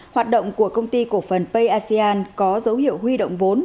hoạt động của công ty cổ phần payasian có dấu hiệu huy động vốn